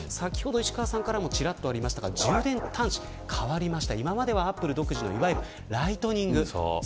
石川さんからも先ほどありましたが充電端子が変わりました。